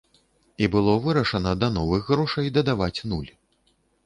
І было вырашана да новых грошай дадаваць нуль.